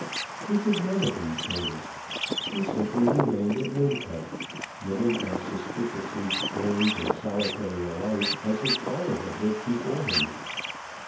He did none of these things. He simply remained at Wincot, living as suspiciously strange and solitary a life as his father had lived before him.